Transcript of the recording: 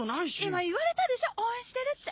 今言われたでしょ応援してるって。